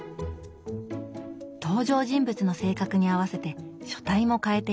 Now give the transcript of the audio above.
登場人物の性格に合わせて書体も変えています。